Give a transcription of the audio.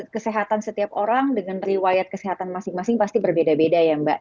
kesehatan setiap orang dengan riwayat kesehatan masing masing pasti berbeda beda ya mbak